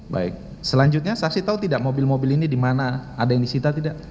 baik selanjutnya saksi tahu tidak mobil mobil ini di mana ada yang disita tidak